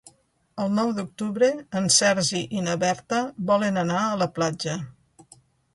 El nou d'octubre en Sergi i na Berta volen anar a la platja.